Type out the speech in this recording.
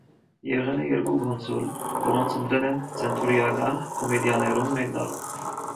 Եղել է երկու կոնսուլ, որոնց ընտրել են ցենտուրիական կոմիտիաներում մեկ տարով։